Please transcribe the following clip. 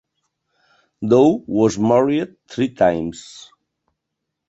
Douw was married three times.